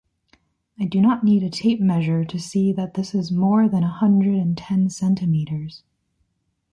I do not need a tape measure to see that this is more than hundred and ten centimeters.